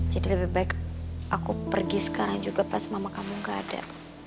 jadi lebih baik aku pergi sekarang juga pas mama kamu gak ada